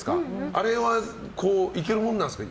あれは、いけるものなんですか？